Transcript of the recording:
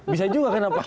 bisa juga karena pak